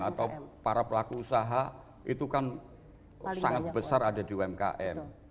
atau para pelaku usaha itu kan sangat besar ada di umkm